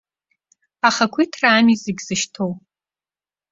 Ахақәиҭра ами зегьы зышьҭоу.